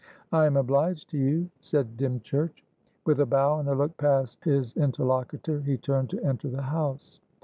"I am obliged to you," said Dymchurch. With a bow and a look past his interlocutor, he turned to enter the house.